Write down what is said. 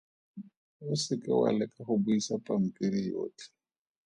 O se ka wa leka go buisa pampiri yotlhe.